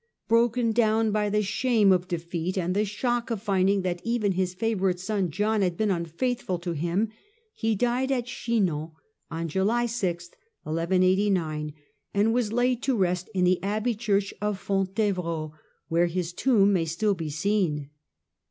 Broken down by the shame of defeat and the shock of finding that even his favourite son John had been unfaithful to him, he died at Chinon on July 6, 1189, and was laid to rest in the abbey church of Fonte vrault, where his tomb may still be seen.